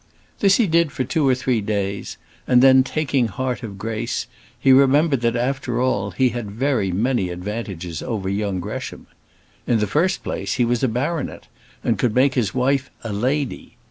This he did for two or three days, and then, taking heart of grace, he remembered that, after all, he had very many advantages over young Gresham. In the first place, he was a baronet, and could make his wife a "lady."